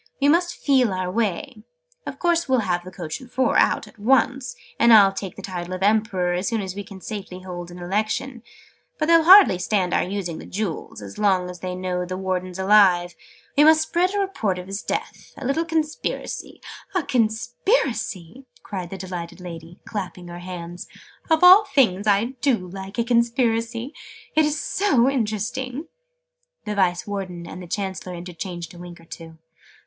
We must feel our way. Of course we'll have the coach and four out, at once. And I'll take the title of Emperor, as soon as we can safely hold an Election. But they'll hardly stand our using the Jewels, as long as they know the Warden's alive. We must spread a report of his death. A little Conspiracy " "A Conspiracy!" cried the delighted lady, clapping her hands. "Of all things, I do like a Conspiracy! It's so interesting!" The Vice Warden and the Chancellor interchanged a wink or two.